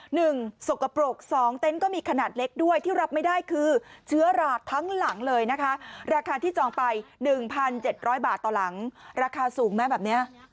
หนึ่งสกปรกสองเต็นต์ก็มีขนาดเล็กด้วยที่รับไม่ได้คือเชื้อราทั้งหลังเลยนะคะราคาที่จองไปหนึ่งพันเจ็ดร้อยบาทต่อหลังราคาสูงไหมแบบเนี้ย